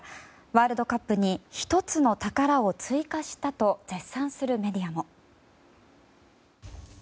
ワールドカップに１つの宝を追加したと絶賛するメディアも。